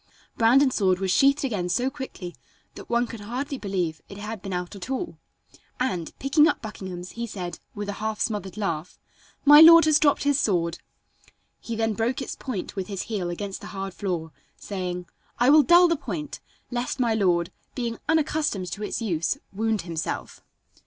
Brandon's sword was sheathed again so quickly that one could hardly believe it had been out at all, and, picking up Buckingham's, he said with a half smothered laugh: "My lord has dropped his sword." He then broke its point with his heel against the hard floor, saying: "I will dull the point, lest my lord, being unaccustomed to its use, wound himself."